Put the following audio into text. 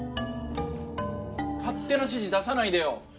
勝手な指示出さないでよ！